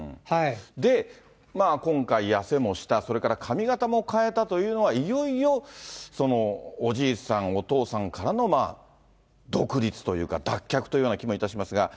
で、今回、痩せもした、それから髪形も変えたというのは、いよいよ、おじいさん、お父さんからの独立というか、脱却というような気もいたしますが。